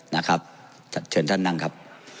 นะครับเชิญท่านนั่งครับ